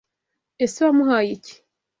Ese Wamuhaye iki?